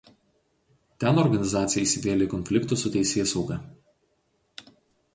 Ten organizacija įsivėlė į konfliktus su teisėsauga.